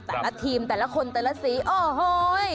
แต่ละทีมแต่ละคนแต่ละสีโอ้โห